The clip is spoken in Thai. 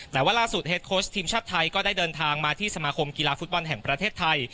แต่ว่าล่าสุดเฮดโค้ชทีมชาติไทยก็ได้เดินทางมาที่สมาคมกีฬาฟุตบอลแห่งประเทศไทย